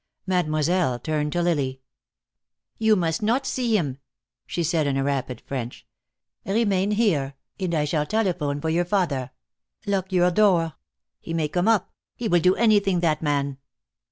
Mademoiselle turned to Lily. "You must not see him," she said in rapid French. "Remain here, and I shall telephone for your father. Lock your door. He may come up. He will do anything, that man."